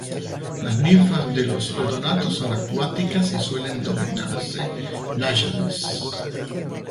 Las ninfas de los odonatos son acuáticas y suelen denominarse náyades.